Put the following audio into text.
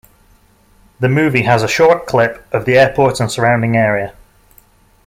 The movie has a short clip of the airport and surrounding area.